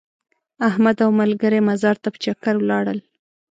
احمد او ملګري مزار ته په چکر ولاړل.